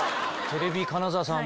テレビ金沢さん